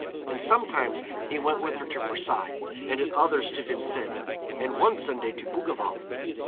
And sometimes he went with her to Versailles and at others to Vincennes, and one Sunday to Bougival.